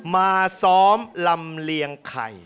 มาซ้อมลำเลียงไข่